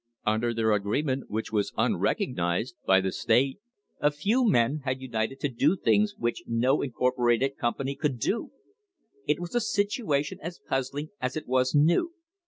Under their agreement, which was unrecognised by the state, a few men had united to do things which no incor porated company could do. It was a situation as puzzling as it was new.